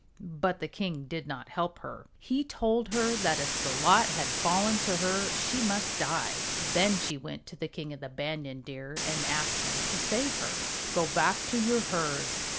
But the king did not help her. He told her that if the lot had fallen to her she must die. Then she went to the King of the Banyan Deer and asked him to save her. "Go back to your herd.